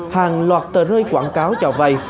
hàng loạt tờ rơi quảng cáo chào vay